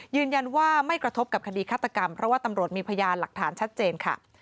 ยืนยันว่าไม่กระทบกับคดีฆาตกรรมเพราะว่าตำรวจมีพยานหลักฐานชัดเจนค่ะ